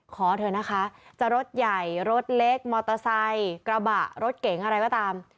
ขอเถอะนะคะจะรถใหญ่รถเล็กมอเตอร์ไซค์กระบะรถเก๋งอะไรก็ตาม